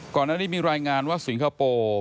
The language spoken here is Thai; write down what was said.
ก่อนหน้านี้มีรายงานว่าสิงคโปร์